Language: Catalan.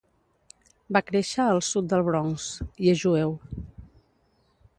Va créixer al sud del Bronx, i és jueu.